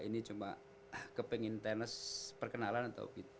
ini cuma kepengen tenis perkenalan atau